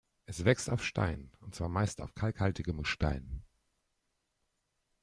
Es wächst auf Stein, und zwar meist auf kalkhaltigem Gestein.